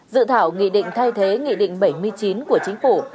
dự thảo nghị định thay thế nghị định bảy mươi chín của chính phủ